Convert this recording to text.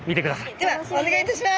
ではお願いいたします！